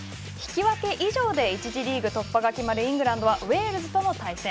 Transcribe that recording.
引き分け以上で１次リーグ突破が決まるイングランドはウェールズとの対戦。